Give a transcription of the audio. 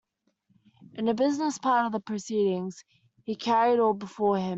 In the business part of the proceedings he carried all before him.